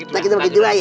bagi dua bagi dua ya